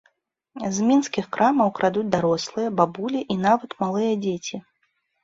З мінскіх крамаў крадуць дарослыя, бабулі і нават малыя дзеці.